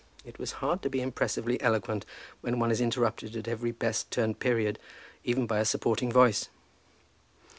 It is hard to be impressively eloquent when one is interrupted at every best turned period, even by a supporting voice.